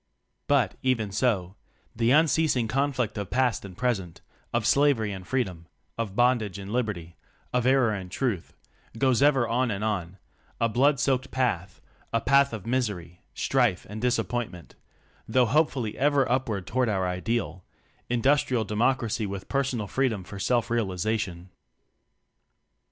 But, even so, the unceasing con flict of past and present, of slavery and freedom, of bondage and liberty, of error and truth, goes ever on and on a blood soaked path; a path of misery, strife and disappointment, though hopefully ever upward toward our ideal Industrial Democracy with * personal freedom for Self realization.